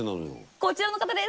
こちらの方です。